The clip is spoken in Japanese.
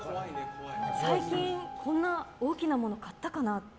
最近こんな大きなもの買ったかな？